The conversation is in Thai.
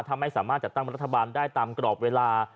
ทำให้สามารถจัดตั้งรัฐบาลได้ตามกรอบเวลา